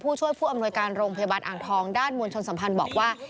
ผู้ช่วยผู้อำนวยการโรงพยาบาลอ่างทองด้านมวลชนสัมพันธ์บอกว่า